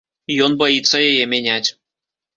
Ён баіцца яе мяняць.